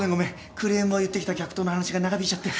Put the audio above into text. クレームを言ってきた客との話が長引いちゃって。